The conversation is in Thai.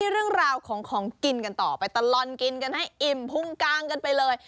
เรื่องราวของของกินกันต่อไปตลอดกินกันให้อิ่มพุงกางกันไปเลย